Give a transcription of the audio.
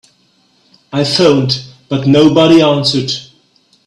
I phoned but nobody answered.